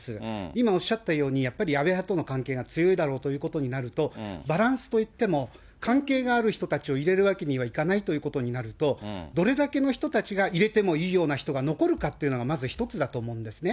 今おっしゃったように、やっぱり安倍派との関係が強いだろうということになると、バランスといっても関係がある人たちを入れるわけにはいかないということになると、どれだけの人たちが入れてもいいような人が残るかっていうのがまず一つだと思うんですね。